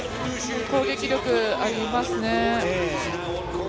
攻撃力、ありますね。